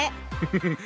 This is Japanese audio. フフフ。